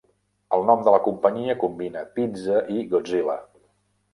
El nom de la companyia combina "pizza" i "Godzilla".